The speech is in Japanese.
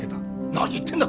何言ってんだ？